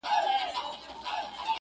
خير دی ، دى كه اوسيدونكى ستا د ښار دى.